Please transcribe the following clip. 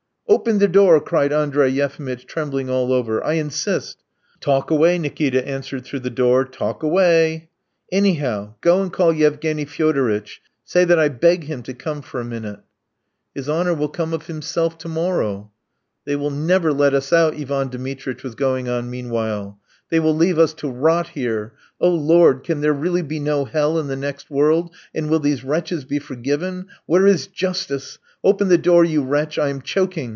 "Open the door," cried Andrey Yefimitch, trembling all over; "I insist!" "Talk away!" Nikita answered through the door, "talk away. ..." "Anyhow, go and call Yevgeny Fyodoritch! Say that I beg him to come for a minute!" "His honour will come of himself to morrow." "They will never let us out," Ivan Dmitritch was going on meanwhile. "They will leave us to rot here! Oh, Lord, can there really be no hell in the next world, and will these wretches be forgiven? Where is justice? Open the door, you wretch! I am choking!"